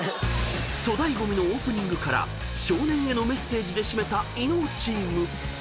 ［粗大ゴミのオープニングから少年へのメッセージで締めた伊野尾チーム］